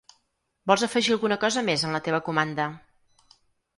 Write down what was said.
Vols afegir alguna cosa més en la teva comanda?